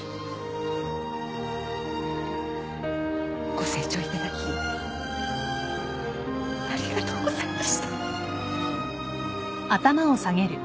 ご清聴いただきありがとうございました。